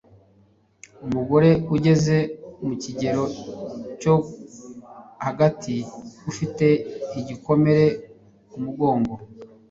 Umugore ugeze mu kigero cyo hagati ufite igikomere ku mugongo